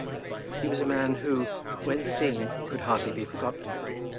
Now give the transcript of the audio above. He was a man who when seen could hardly be forgotten.